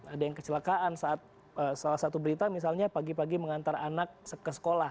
ada yang kecelakaan saat salah satu berita misalnya pagi pagi mengantar anak ke sekolah